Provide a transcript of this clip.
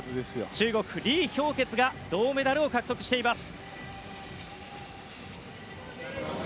中国、リ・ヒョウケツが銅メダルを獲得しています。